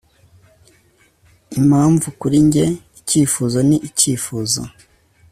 impamvu kuri njye icyifuzo ni icyifuzo